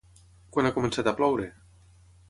Quan ha començat a ploure?